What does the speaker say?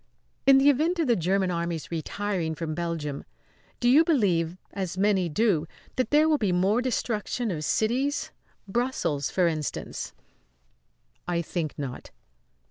"In the event of the German Army's retiring from Belgium, do you believe, as many do, that there will be more destruction of cities? Brussels, for instance?" "I think not."